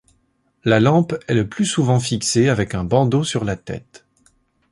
La lampe est le plus souvent fixée avec un bandeau sur la tête.